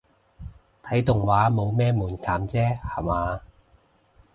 睇動畫冇咩門檻啫吓嘛